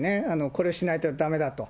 これをしないとだめだと。